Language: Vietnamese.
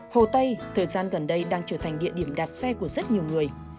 hồ tây thời gian gần đây đang trở thành địa điểm đạp xe của rất nhiều người